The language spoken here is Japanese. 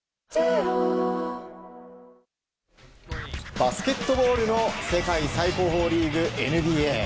バスケットボールの世界最高峰リーグ、ＮＢＡ。